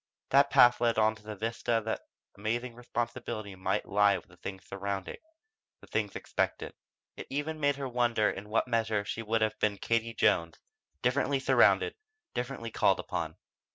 That path led to the vista that amazing responsibility might lie with the things surrounding the things expected. It even made her wonder in what measure she would have been Katie Jones, differently surrounded, differently called upon.